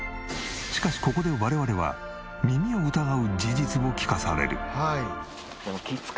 しかしここで我々は耳を疑う事実を聞かされる。